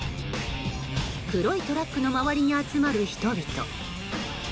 黒いトラックの周りに集まる人々。